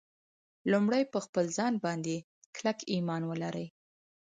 لومړی پر خپل ځان باندې کلک ایمان ولرئ